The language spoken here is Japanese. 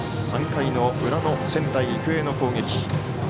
３回裏の仙台育英の攻撃。